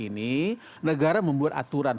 ini negara membuat aturan